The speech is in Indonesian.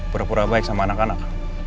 pura pura baik sama anak anak